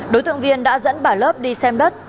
đối tượng viên đã dẫn bà lớp đi xem đất